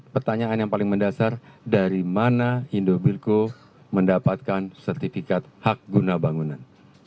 pertanyaan yang paling mendasar dari mana indobilco mendapatkan sertifikat hak guna bangunan